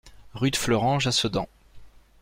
Rue de Fleuranges à Sedan